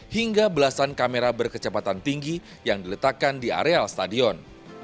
hingga belasan kamera berkecepatan tinggi yang diletakkan di areal stadion